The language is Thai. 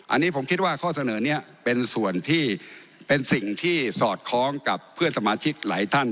อันนี้ผมคิดว่าข้อเสนอนี้เป็นส่วนที่เป็นสิ่งที่สอดคล้องกับเพื่อนสมาชิกหลายท่าน